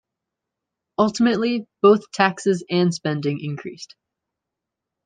Ultimately, both taxes and spending increased.